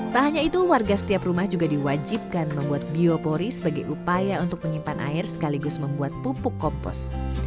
tak hanya itu warga setiap rumah juga diwajibkan membuat biopori sebagai upaya untuk menyimpan air sekaligus membuat pupuk kompos